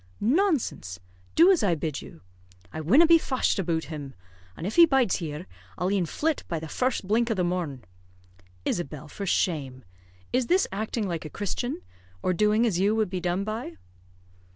"Nonsense! Do as I bid you." "I winna be fashed aboot him. An' if he bides here, I'll e'en flit by the first blink o' the morn." "Isabel, for shame! Is this acting like a Christian, or doing as you would be done by?"